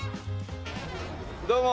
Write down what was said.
どうも。